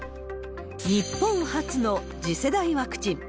日本初の次世代ワクチン。